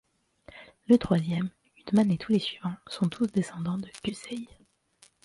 Le troisième, `Uthman et tous les suivants sont tous descendants de Qusay.